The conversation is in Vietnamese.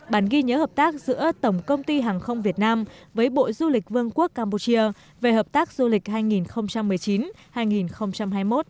bản ghi nhớ hợp tác giữa tổng công ty hàng không việt nam với bộ du lịch vương quốc campuchia về hợp tác du lịch hai nghìn một mươi chín hai nghìn hai mươi một